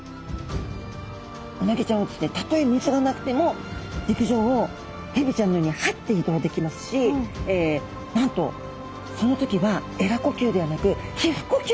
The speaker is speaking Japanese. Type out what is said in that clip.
うなぎちゃんはですねたとえ水がなくても陸上をヘビちゃんのようにはって移動できますしなんとその時はそうなんです。